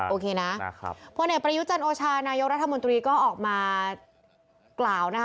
โอเคนะนะครับเพราะไหนประยุจรรย์โอชานายกรรธมนตรีก็ออกมากล่าวนะคะ